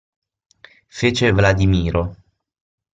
Fece Vladimiro.